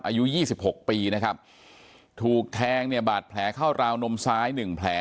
อายุยี่สิบหกปีนะครับถูกแทงเนี่ยบาดแผลเข้าราวนมซ้ายหนึ่งแผล